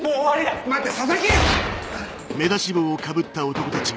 待て佐々木！